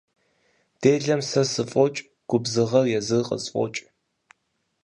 Делэм сэ сыфӀокӀ, губзыгъэр езыр къысфӀокӀ.